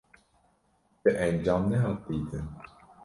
Ti encam nehat dîtin?